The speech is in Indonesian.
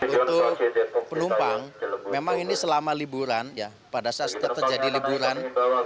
untuk penumpang memang ini selama liburan ya pada saat terjadi liburan